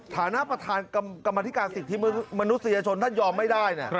ฐานะประธานกรรมธิการสิทธิมนุษยชนท่านยอมไม่ได้